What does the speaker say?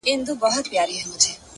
• زه او زما ورته ياران ـ